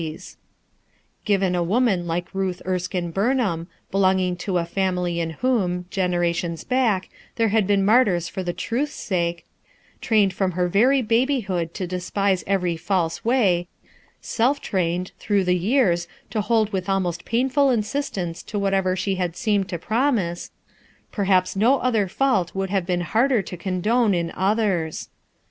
BUILT OX THE SAND 2 25 Given a woman like Iluth Erskine Burnham belonging to a family in whom, generations back, there had been martyrs for the truth's sake, trained from her very babyhood to de spise every false way, self trained, through the years, to bold with almost painful insistence to whatever she had seemed to promise, perhaps no other fault would have been harder to con done in others.